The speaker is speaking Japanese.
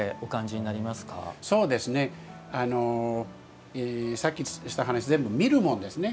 そうですねさっきした話全部見るものですね。